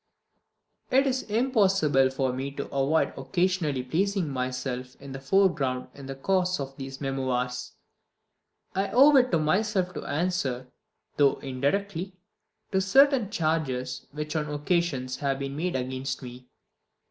It is impossible for me to avoid occasionally placing myself in the foreground in the course of these Memoirs. I owe it to myself to answer, though indirectly, to certain charges which, on various occasions, have been made against me.